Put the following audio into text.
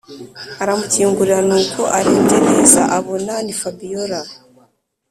aramukingurira nuko arebye neza abona ni fabiora.